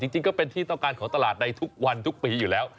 จริงก็เป็นที่ต้องการของตลาดในทุกวันทุกปีอยู่แล้ว